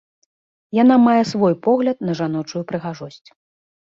Яна мае свой погляд на жаночую прыгажосць.